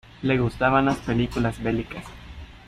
Le gustaban las películas bélicas.